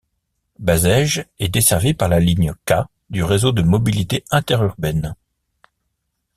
Bazaiges est desservie par la ligne K du Réseau de mobilité interurbaine.